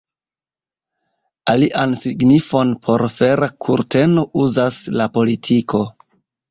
Alian signifon por fera kurteno uzas la politiko.